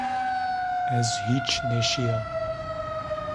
Ez hîç nêşîya